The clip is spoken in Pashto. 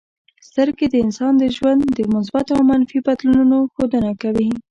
سترګې د انسان د ژوند د مثبتو او منفي بدلونونو ښودنه کوي.